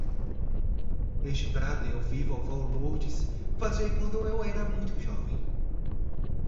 Este prato eu vi vovó Lourdes fazer quando eu era muito jovem.